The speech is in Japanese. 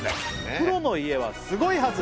『プロの家は凄いはず！』